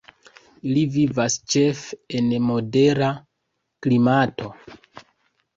Ili vivas ĉefe en modera klimato.